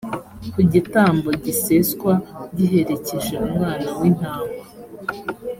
ku gitambo giseswa, giherekeje umwana w’intama.